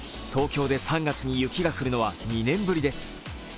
東京で３月に雪が降るのは２年ぶりです。